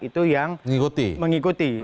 itu yang mengikuti